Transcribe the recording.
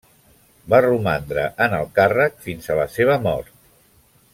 Va romandre en el càrrec fins a la seva mort.